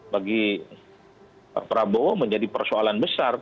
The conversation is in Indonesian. bagi prabowo menjadi persoalan besar